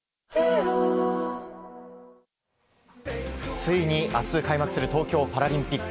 ついに明日開幕する東京パラリンピック。